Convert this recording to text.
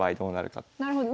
なるほど。